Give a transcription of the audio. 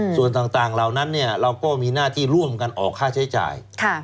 ส่วนต่างเหล่านั้นเราก็มีหน้าที่ร่วมกันออกค่าใช้จ่าย